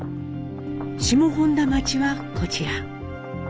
下本多町はこちら。